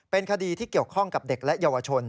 เป็นคดีที่เกี่ยวข้องกับเด็กและเยาวชน